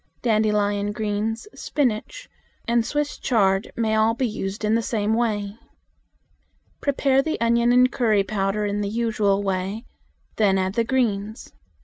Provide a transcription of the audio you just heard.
Dandelion greens, spinach, Swiss chard, may all be used in the same way. Prepare the onion and curry powder in the usual way; then add the greens.